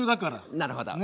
なるほど。